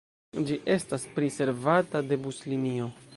Ĝi estas priservata de buslinio.